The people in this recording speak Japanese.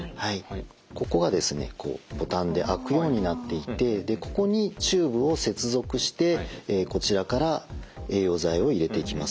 ここがですねボタンで開くようになっていてここにチューブを接続してこちらから栄養剤を入れていきます。